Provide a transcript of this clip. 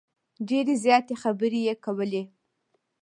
ډیرې زیاتې خبرې یې کولې.